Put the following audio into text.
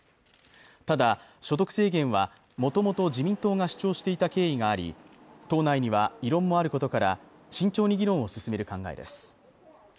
ただ所得制限はもともと自民党が主張していた経緯があり党内には異論もあることから慎重に議論を進める考えです